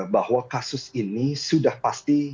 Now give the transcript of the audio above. bahwa kasus ini sudah pasti